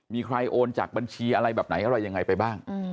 มีใครโอนจากบัญชีอะไรแบบไหนอะไรยังไงไปบ้าง